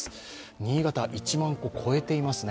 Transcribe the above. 新潟は１万戸超えていますね。